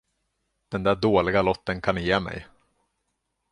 Den där dåliga lotten kan ni ge mig.